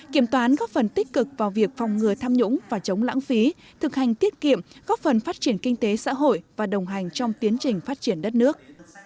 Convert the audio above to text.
kiểm toán góp phần tích cực vào việc phòng ngừa tham nhũng và chống lãng phí thực hành tiết kiệm góp phần phát triển kinh tế xã hội và đồng hành trong tiến trình phát triển đất nước